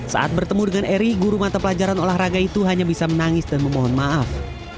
saat bertemu dengan eri guru mata pelajaran olahraga itu hanya bisa menangis dan memohon maaf